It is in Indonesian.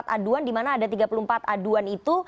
aduan dimana ada tiga puluh empat aduan itu